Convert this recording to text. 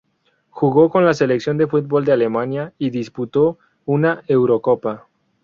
Jugó con la selección de fútbol de Alemania y disputó una Eurocopa.